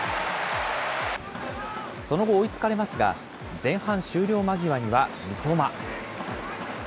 その後、追いつかれますが、前半終了間際には三笘。